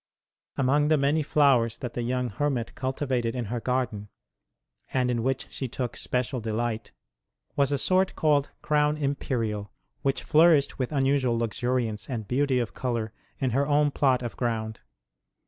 Among the many flowers that the young hermit cultivated in her garden, and in which she took special delight, was a sort called Crown Im perial, which flourished with unusual luxuriance and beauty of colour in her own plot of ground.